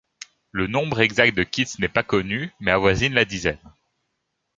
Le nombre exact de kits n'est pas connu mais avoisine la dizaine.